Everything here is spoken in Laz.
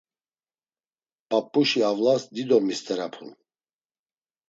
P̌ap̌uşi avlas dido misterapun.